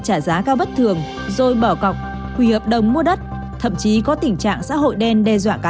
trả giá cao bất thường rồi bỏ cọc hủy hợp đồng mua đất thậm chí có tình trạng xã hội đen đe dọa cá